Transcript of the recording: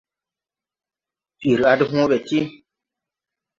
Pir a de hõõ bɛ ti.